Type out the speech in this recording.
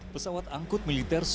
pesawat angkut militer super hercules